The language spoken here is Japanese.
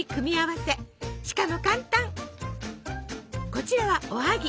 こちらはおはぎ。